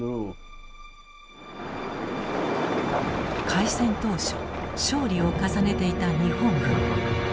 開戦当初勝利を重ねていた日本軍。